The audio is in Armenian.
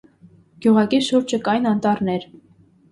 Գյուղակի շուրջ կային անտառներ։